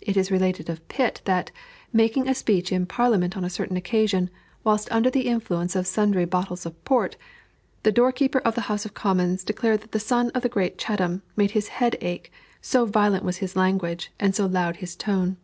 It is related of Pitt that, making a speech in Parliament on a certain occasion, whilst under the influence of sundry bottles of Port, the doorkeeper of the House of Commons declared that the son of the great Chatham made his head ache, so violent was his language, and so loud his tone.